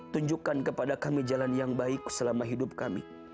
tunjukkan kepada kami jalan yang baik selama hidup kami